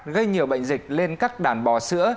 gây nhiều bệnh dịch lên các đàn bò sữa